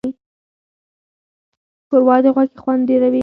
ښوروا د غوښې خوند ډېروي.